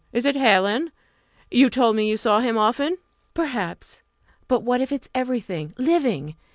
Is it Hallin? You told me you saw him often." "Perhaps. But what if it's everything? _living?